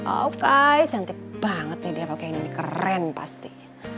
oke cantik banget nih dia pakai ini keren pasti